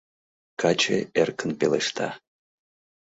Каче эркын пелешта.